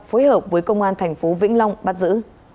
phối hợp với công an tp vĩnh long bắt giữ